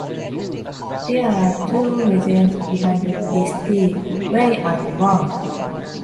There are two legends behind this tea: Wei and Wang.